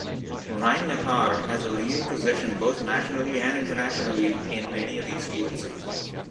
Rhine-Neckar has a leading position both nationally and internationally in many of these fields.